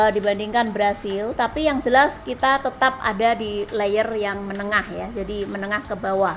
dibandingkan brazil tapi yang jelas kita tetap ada di layer yang menengah ya jadi menengah ke bawah